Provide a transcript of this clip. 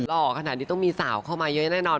หล่อขนาดนี้ต้องมีสาวเข้ามาเยอะแน่นอน